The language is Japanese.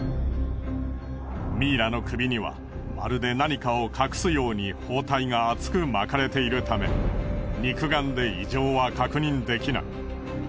ミイラの首にはまるで何かを隠すように包帯が厚く巻かれているため肉眼で異常は確認できない。